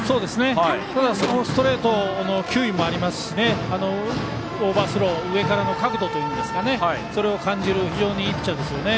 ただ、ストレートの球威もありますしオーバースロー上からの角度といいますかそれを感じる非常にいいピッチャーですね。